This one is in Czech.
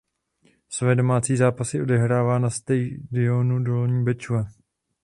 Své domácí zápasy odehrává na stadionu Dolní Bečva.